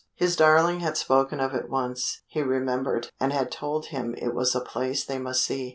His darling had spoken of it once, he remembered, and had told him it was a place they must see.